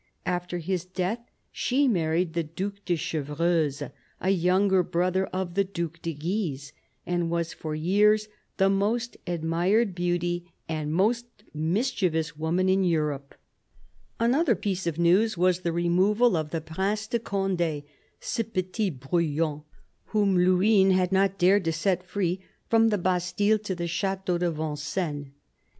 After his death she married the Due de Chevreuse, a younger brother of the Due de Guise, and was for years the most admired beauty and most mischievous woman in Europe. Another piece of news was the removal of the Prince de Conde, " ce petit brouillon," whom Luynes had not dared to set free, from the Bastille to the Chateau de Vincennes.